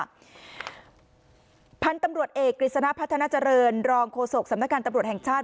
พันธุ์ตำรวจเอกกฤษณะพัฒนาเจริญรองโฆษกสำนักงานตำรวจแห่งชาติ